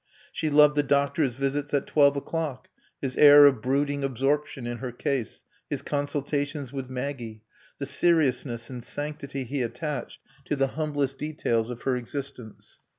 She loved the doctor's visits at twelve o'clock, his air of brooding absorption in her case, his consultations with Maggie, the seriousness and sanctity he attached to the humblest details of her existence.